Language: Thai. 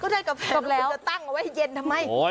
จะตั้งเอาไว้เย็นทำไม